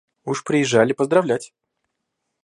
Уж приезжали поздравлять.